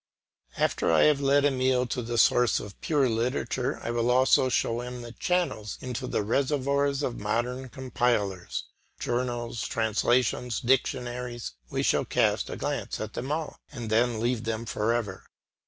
After I have led Emile to the sources of pure literature, I will also show him the channels into the reservoirs of modern compilers; journals, translations, dictionaries, he shall cast a glance at them all, and then leave them for ever.